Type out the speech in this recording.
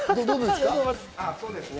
どうですか？